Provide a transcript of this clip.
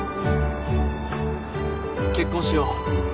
結婚しよう